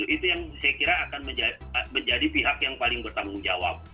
itu yang saya kira akan menjadi pihak yang paling bertanggung jawab